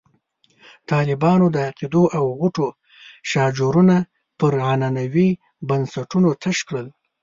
طالبانو د عقدو او غوټو شاجورونه پر عنعنوي بنسټونو تش کړل.